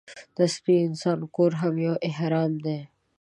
د عصري انسان کور هم یو اهرام دی.